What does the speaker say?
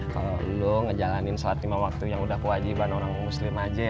kalau lo ngejalanin sholat lima waktu yang udah kewajiban orang muslim aja